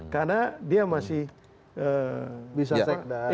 karena dia masih bisa sekda